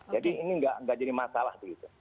jadi ini nggak jadi masalah